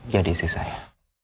jadi istri saya